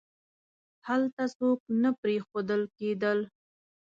هلته څوک نه پریښودل کېدل.